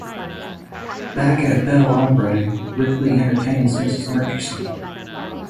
Back at Belle Ombre, Ripley entertains Mrs. Murchison.